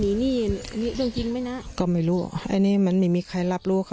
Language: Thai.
นี่นี่นี่เรื่องจริงไหมนะก็ไม่รู้ไอ้นี่มันไม่มีใครรับรู้